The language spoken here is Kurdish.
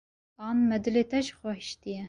an me dilê te ji xwe hîştî ye.